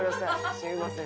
すみません。